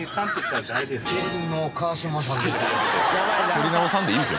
振り直さんでいいんですよ。